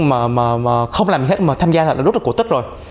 mà không làm hết mà tham gia là rút được cổ tức rồi